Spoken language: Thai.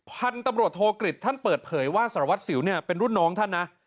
พันธุ์ตำรวจโทกฤษท่านเปิดเผยว่าสารวัตรสิวเนี่ยเป็นรุ่นน้องท่านนะ